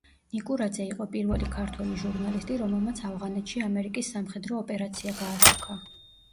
ნიკურაძე იყო პირველი ქართველი ჟურნალისტი, რომელმაც ავღანეთში ამერიკის სამხედრო ოპერაცია გააშუქა.